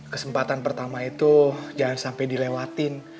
kesempatan pertama itu jangan sampai dilewatin